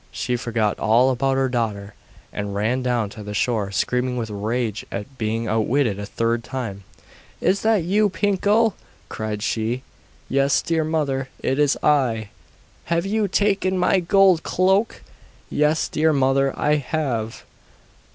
She forgot all about her daughter, and ran down to the shore, screaming with rage at being outwitted a third time. 'Is that you, Pinkel?' cried she. 'Yes, dear mother, it is I.' 'Have you taken my gold cloak?' 'Yes, dear mother, I have.